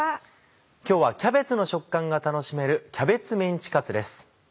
今日はキャベツの食感が楽しめる「キャベツメンチカツ」です。